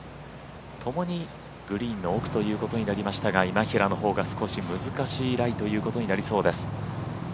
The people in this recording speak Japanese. ともにグリーンの奥ということになりましたが今平のほうが少し難しいライということになりそうです。